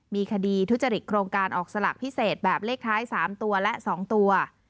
มีคดีทุจริตโครงการออกสลากพิเศษแบบเลขท้าย๓ตัวและ๒ตัว